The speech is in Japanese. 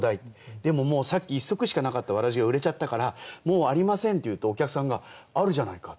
でももうさっき１足しかなかったわらじが売れちゃったから「もうありません」って言うとお客さんが「あるじゃないか」。